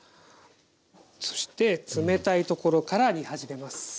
そして冷たいところから煮はじめます。